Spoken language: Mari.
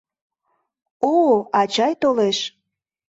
О, ачай толеш!